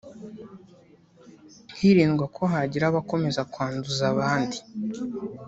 hirindwa ko hagira abakomeza kwanduza abandi